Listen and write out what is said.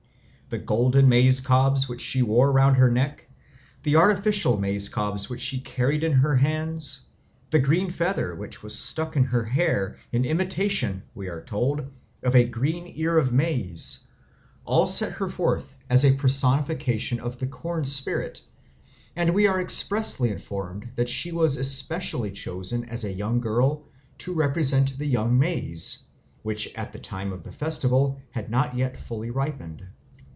The golden maize cobs which she wore round her neck, the artificial maize cobs which she carried in her hands, the green feather which was stuck in her hair in imitation (we are told) of a green ear of maize, all set her forth as a personification of the corn spirit; and we are expressly informed that she was specially chosen as a young girl to represent the young maize, which at the time of the festival had not yet fully ripened.